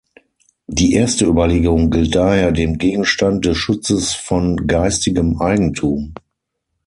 Die erste Überlegung gilt daher dem Gegenstand des Schutzes von geistigem Eigentum.